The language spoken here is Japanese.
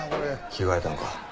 着替えたんか？